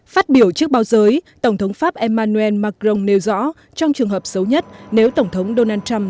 phát biểu trước báo giới tổng thống pháp emmanuel macron nêu rõ trong trường hợp xấu nhất nếu tổng thống donald trump